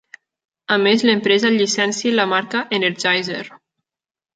A més l'empresa llicencia la marca Energizer.